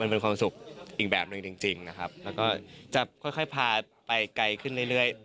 มีความสุขอีกแบบหนึ่งจริงนะครับแล้วก็จะค่อยพาไปไกลขึ้นเรื่อย